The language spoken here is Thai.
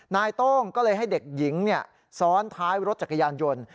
นายโต้งก็เลยให้เด็กหญิงซ้อนท้ายรถจักรยานยนต์